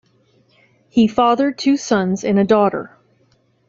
He fathered two sons and a daughter.